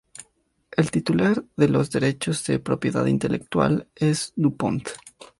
El titular de los derechos de propiedad intelectual es DuPont.